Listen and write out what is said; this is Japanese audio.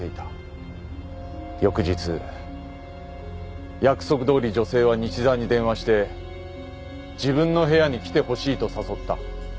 翌日約束どおり女性は西沢に電話して「自分の部屋に来てほしい」と誘った。